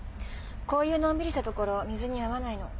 こういうのんびりした所水に合わないの。